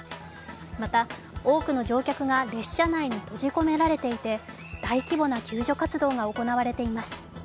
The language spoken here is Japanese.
また、多くの乗客が列車内に閉じ込められていて大規模な救助活動が行われています。